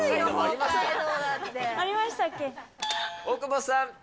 大久保さん。